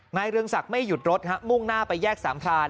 เรืองศักดิ์ไม่หยุดรถมุ่งหน้าไปแยกสามพราน